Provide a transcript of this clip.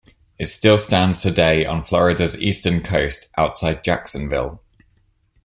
It still stands today on Florida's eastern coast, outside Jacksonville.